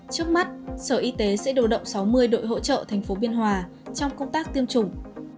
trước mắt sở y tế sẽ điều động sáu mươi đội hỗ trợ thành phố biên hòa trong công tác tiêm chủng